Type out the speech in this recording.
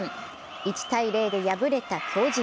１−０で敗れた巨人。